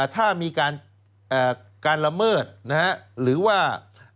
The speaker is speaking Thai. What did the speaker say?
ถ้ามีการการละเมิดนะครับหรือว่า